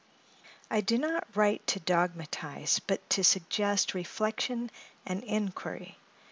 I do not write to dogmatise, but to suggest reflection and inquiry.